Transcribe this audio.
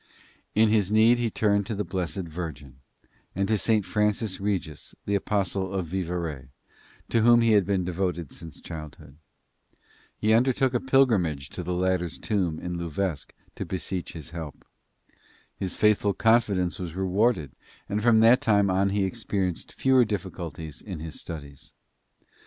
In his need he turned to the Blessed Virgin and to St. Francis Regis, the Apostle of Vivarais, to whom he had been devoted since childhood. He undertook a pilgrimage to the latter's tomb at Louvesc to beseech his help. His faithful confidence was rewarded and from that time on he experienced fewer difficulties in his studies.